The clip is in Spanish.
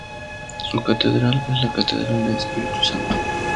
Su catedral es la Catedral del Espíritu Santo.